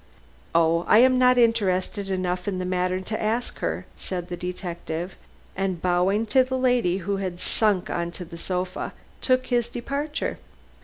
"Oh, I am not interested enough in the matter to ask her," said the detective, and bowing to the lady who had sunk on the sofa, took his departure.